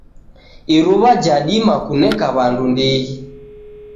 Iruwa jadima kuneka wandu ndighi